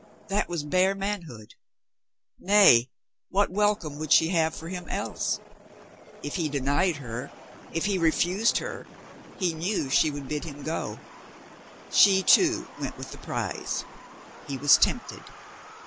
That was bare manhood. Nay, what welcome would she have for him else? If he denied her, if he refused her, he knew she would bid him go. She, too, v/ent with the prize. He was tempted.